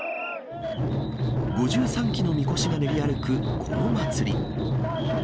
５３基のみこしが練り歩く、この祭り。